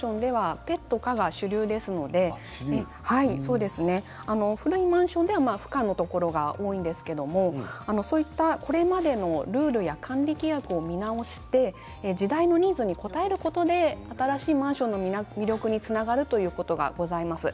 新しいマンションではペットＯＫが主流ですので古いマンションでは不可のところが多いんですけどこれまでのルールや管理規約を見直して時代のニーズに応えることで新しいマンションの魅力につながるということがございます。